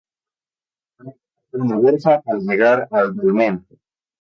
Hay que pasar una verja para llegar al dolmen.